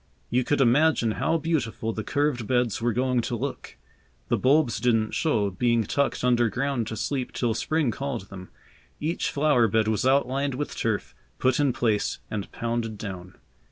You could imagine how beautiful the curved beds were going to look. The bulbs didn't show, being tucked underground to sleep till Spring called them. Each flower bed was outlined with turf, put in place and pounded down.